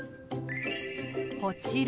こちら。